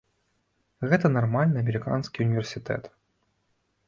Гэта нармальны амерыканскі універсітэт.